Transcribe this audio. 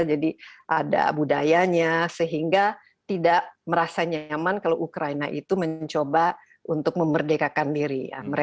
nah ini juga berdasarkan budayanya sehingga tidak merasa nyaman kalau ukraina itu mencoba untuk memerdekakan diri